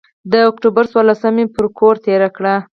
د اکتوبر څورلسمه مې پر کور تېره کړه.